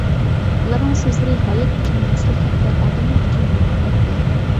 ئۇلارنىڭ سۆزلىرى ھايات ئۈچۈن مەسلىھەت ۋە ئادەملەر ئۈچۈن مەنپەئەت بېرىدۇ.